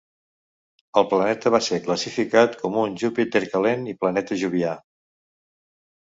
El planeta va ser classificat com un Júpiter calent i planeta jovià.